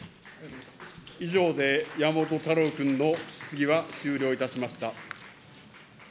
以上で山本太郎君の質疑は終了いたしました。